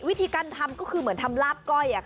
วิธีการทำก็คือเหมือนทำลาบก้อย